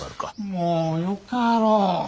もうよかろう。